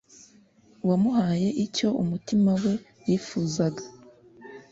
Wamuhaye icyo umutima we wifuzaga